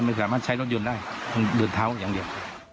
ไม่สามารถใช้รถยนต์ได้ต้องเดินเท้าอย่างเดียว